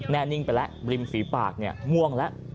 แน่นิ่งไปแล้วริมฝีปากม่วงแล้ว